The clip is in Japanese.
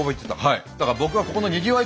はい。